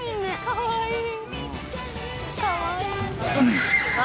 かわいい！